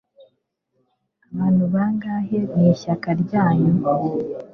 abantu bangahe mu ishyaka ryanyu